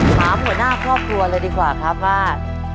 หัวหน้าครอบครัวเลยดีกว่าครับว่า